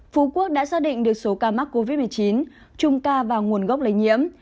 phú quốc đã xác định được số ca mắc covid một mươi chín chung ca vào nguồn gốc lây nhiễm